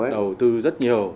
đầu tư rất nhiều ấy